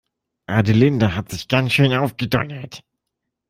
Adelinde hat sich ganz schön aufgedonnert.